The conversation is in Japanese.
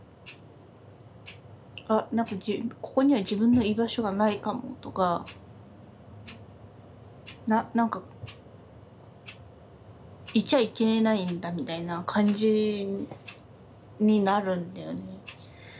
あ何かここには自分の居場所がないかもとか何かいちゃいけないんだみたいな感じになるんだよね。